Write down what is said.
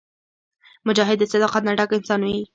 مجاهد د صداقت نه ډک انسان وي.